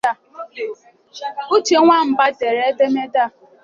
Uche Nwamba dere edemede a